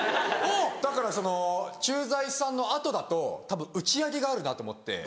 だからその「駐在さん」の後だとたぶん打ち上げがあるなと思って。